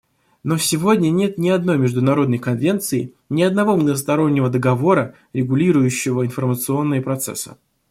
Но сегодня нет ни одной международной конвенции, ни одного многостороннего договора, регулирующего информационные процессы.